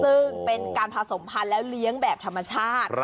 ซึ่งเป็นการผสมพันธุ์แล้วเลี้ยงแบบธรรมชาติ